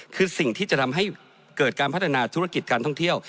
คือสิ่งที่จะทำให้เกิดการพัฒนาธุรกิจการท่องเที่ยว